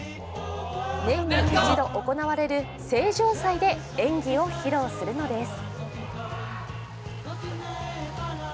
年に１度行われる成城祭で演技を披露するのです。